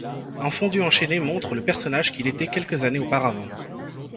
Un fondu enchaîné montre le personnage qu’il était quelques années auparavant.